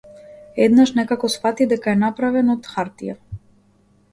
Еднаш некако сфати дека е направен од - хартија.